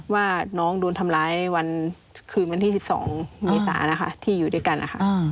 ว่าน้องโดนทำร้ายวันคืนวันที่๑๒เมษานะคะที่อยู่ด้วยกันนะคะ